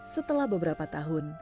setelah beberapa tahun